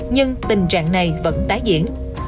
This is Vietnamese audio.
nhưng tình trạng này vẫn tái diễn